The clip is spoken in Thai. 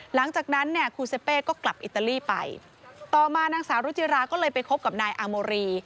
หลังจากนั้นเนี่ยครูเซเป้ก็กลับอิตาลีไปต่อมานางสาวรุจิราก็เลยไปคบกับนายอาโมรี